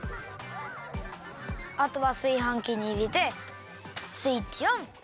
あとはすいはんきにいれてスイッチオン！